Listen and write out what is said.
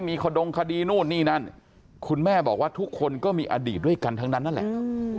มีขดงคดีนู่นนี่นั่นคุณแม่บอกว่าทุกคนก็มีอดีตด้วยกันทั้งนั้นนั่นแหละ